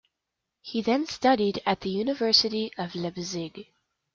He then studied at the University of Leipzig.